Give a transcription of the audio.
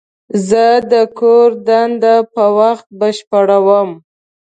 زه د کور دنده په وخت بشپړوم.